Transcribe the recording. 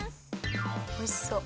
おいしそう。